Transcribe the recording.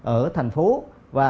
ở thành phố và